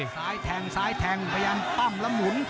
ซ้ายแทงซ้ายแทงพยายามปั้มแล้วหมุน